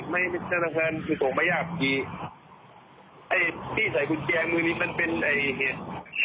ไม่ให้เจ้าพนักงานไปส่งไม่ยากกับขี่ที่ใส่กุญแจมือนี้มันเป็นเหตุ